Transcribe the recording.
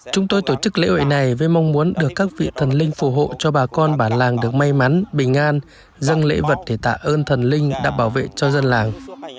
chúng tôi tổ chức lễ hội này với mong muốn được các vị thần linh phù hộ cho bà con bản làng được may mắn bình an dân lễ vật để tạ ơn thần linh đã bảo vệ cho dân làng